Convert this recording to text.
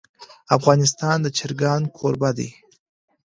افغانستان د چرګان کوربه دی.